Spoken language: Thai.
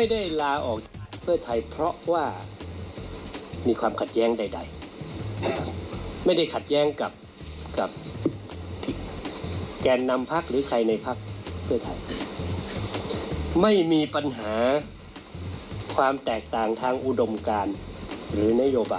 เดี๋ยวไม่สามารถทำงาน